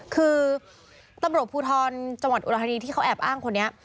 คือตำรวจภูทรจังหวัดอุดรธานีที่เขาแอบอ้างคนนี้